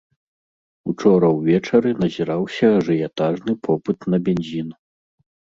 Учора ўвечары назіраўся ажыятажны попыт на бензін.